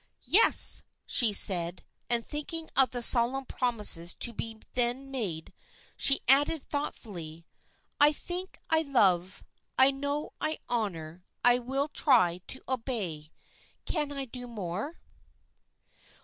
"Yes," she said, and thinking of the solemn promises to be then made, she added, thoughtfully, "I think I love, I know I honor, I will try to obey. Can I do more?"